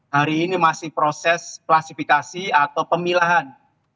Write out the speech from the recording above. hari ini masih proses klasifikasi atau pemilahan